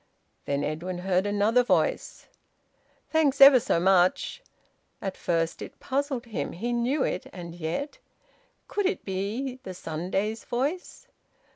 Then Edwin heard another voice: "Thanks ever so much!" At first it puzzled him. He knew it, and yet! Could it be the Sunday's voice?